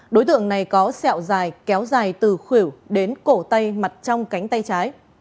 đối tượng này có xẹo dài kéo dài từ khủyểu đến cổ tay mặt trong cánh tay trái